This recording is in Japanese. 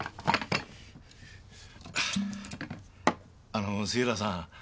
あの杉浦さん。